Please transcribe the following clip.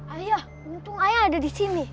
ayah untung ayah ada di sini